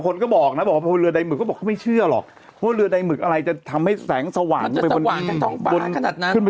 เลขชุดเหรอเลขชุดอยู่แล้วไง